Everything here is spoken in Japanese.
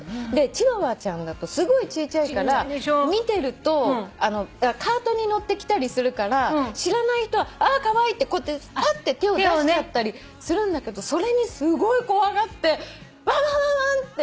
チワワちゃんだとすごいちいちゃいから見てるとカートに乗ってきたりするから知らない人はカワイイってこうやってぱって手を出しちゃったりするんだけどそれにすごい怖がってワンワンワンワン！って。